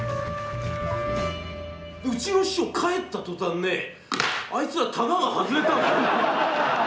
うちの師匠帰ったとたんねあいつらタガが外れたんですよ。